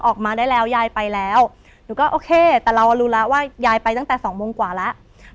ออกมาได้แล้วยายไปแล้วหนูก็โอเคแต่เรารู้แล้วว่ายายไปตั้งแต่สองโมงกว่าแล้ว